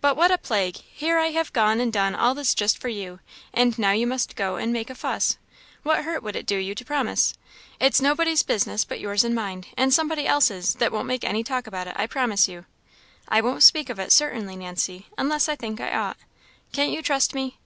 "But what a plague! Here I have gone and done all this just for you, and now you must go and make a fuss. What hurt would it do you to promise? it's nobody's business but yours and mine, and somebody else's that won't make any talk about it, I promise you." "I won't speak of it, certainly, Nancy, unless I think I ought; can't you trust me?"